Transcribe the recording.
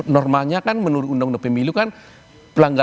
normalnya kan menurut undang undang pemilu kan